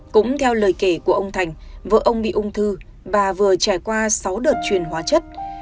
cũng theo lời kể của ông thành vợ ông bị ung thư bà vừa trải qua sáu đợt truyền hóa chất